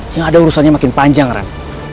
yang ada urusannya makin panjang ram